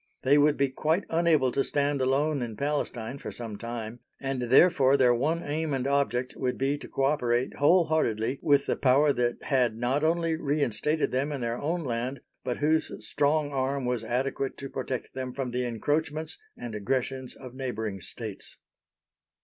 They would be quite unable to stand alone in Palestine for some time, and therefore their one aim and object would be to co operate wholeheartedly with the Power that had not only reinstated them in their own land, but whose strong arm was adequate to protect them from the encroachments and aggressions of neighbouring states.